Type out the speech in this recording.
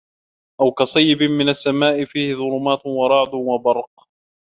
أَوْ كَصَيِّبٍ مِنَ السَّمَاءِ فِيهِ ظُلُمَاتٌ وَرَعْدٌ وَبَرْقٌ